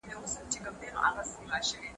خوب ځای مناسب وساتئ.